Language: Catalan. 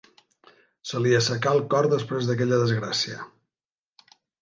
Se li assecà el cor després d'aquella desgràcia.